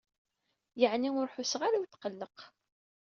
Yeɛni ur ḥusseɣ ara i utqelleq.